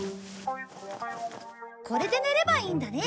これで寝ればいいんだね。